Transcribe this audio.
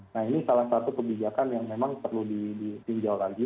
nah ini salah satu kebijakan yang memang perlu ditinjau lagi